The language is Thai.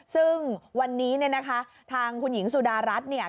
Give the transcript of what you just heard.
ซึ่งวันนี้เนี่ยนะคะทางคุณหญิงสุดารัฐเนี่ย